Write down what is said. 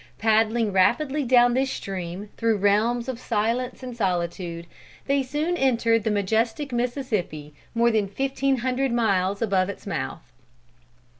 Paddling rapidly down this stream through realms of silence and solitude, they soon entered the majestic Mississippi, more than fifteen hundred miles above its mouth.